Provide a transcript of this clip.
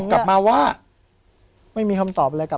ผมก็ไม่เคยเห็นว่าคุณจะมาทำอะไรให้คุณหรือเปล่า